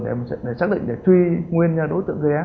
thì em sẽ xác định để truy nguyên đối tượng dự án